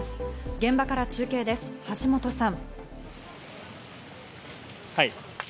現場から中継です、橋本さん。